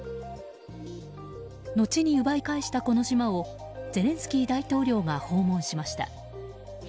後に奪い返したこの島をゼレンスキー大統領が訪問しました。